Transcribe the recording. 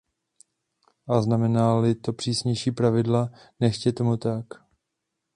A znamená-li to přísnější pravidla, nechť je tomu tak.